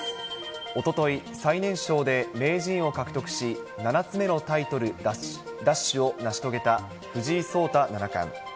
おととい、最年少で名人を獲得し、７つ目のタイトル奪取を成し遂げた藤井聡太七冠。